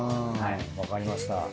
わかりました。